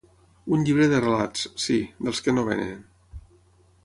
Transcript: Un llibre de relats, sí, dels que no venen.